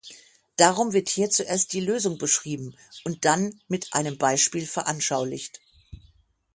Darum wird hier zuerst die Lösung beschrieben, und dann mit einem Beispiel veranschaulicht.